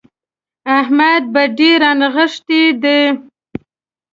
احمد بډې رانغښتې دي.